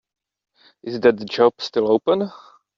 Is that job still open?